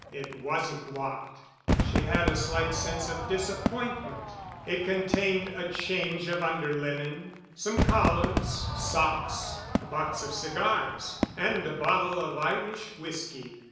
It wasn't locked. She had a slight sense of disappointment. It contained a change of under linen, some collars, socks, a box of cigars, and a bottle of Irish whisky.